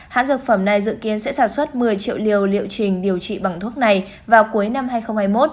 hãng dược phẩm này dự kiến sẽ sản xuất một mươi triệu liều liệu trình điều trị bằng thuốc này vào cuối năm hai nghìn hai mươi một